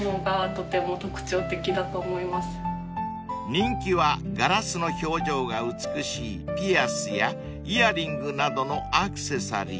［人気はガラスの表情が美しいピアスやイヤリングなどのアクセサリー］